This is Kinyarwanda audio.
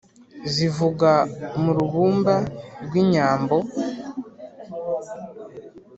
zivuga mu rubumba rw' inyambo